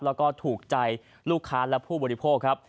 แล้วก็ถูกใจลูกค้าและผู้บริโภคครับ